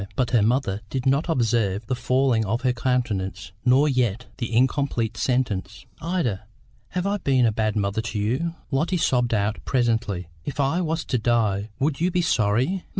But her mother did not observe the falling of her countenance, nor yet the incomplete sentence. "Ida, have I been a bad mother to you?" Lotty sobbed out presently. "If I was to die, would you be sorry?"